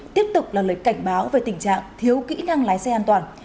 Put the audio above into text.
tiếp tục là lời cảnh báo về tình trạng thiếu kỹ năng lái xe an toàn